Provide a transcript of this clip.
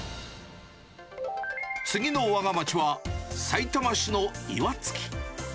次のわが町は、さいたま市の岩槻。